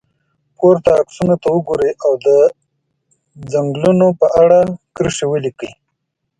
پورته عکسونو ته وګورئ او د څنګلونو په اړه کرښې ولیکئ.